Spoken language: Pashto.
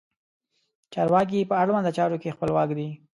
چارواکي په اړونده چارو کې خپلواک دي.